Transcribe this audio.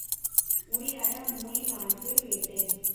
உறி அற மூளி நாய்க்கு வேட்டை.